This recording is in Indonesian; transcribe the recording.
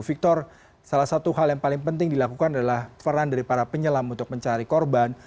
victor salah satu hal yang paling penting dilakukan adalah peran dari para penyelam untuk mencari korban